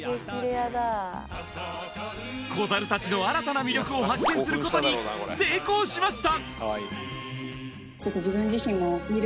子ザルたちの新たな魅力を発見することに成功しました！